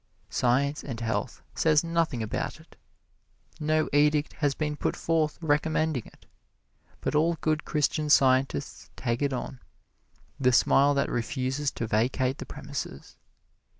"Science and Health" says nothing about it; no edict has been put forth recommending it; but all good Christian Scientists take it on the smile that refuses to vacate the premises.